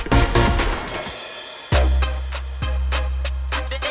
kalian siapa sudah tersenyum